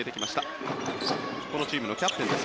このチームのキャプテンです。